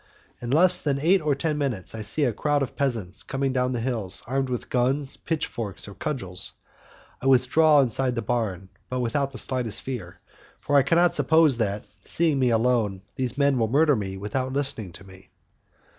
In less than eight or ten minutes, I see a crowd of peasants coming down the hills, armed with guns, pitchforks, or cudgels: I withdraw inside of the barn, but without the slightest fear, for I cannot suppose that, seeing me alone, these men will murder me without listening to me.